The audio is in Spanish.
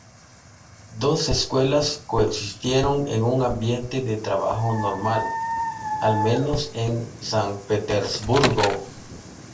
Dos escuelas coexistieron en un ambiente de trabajo normal, al menos en San Petersburgo.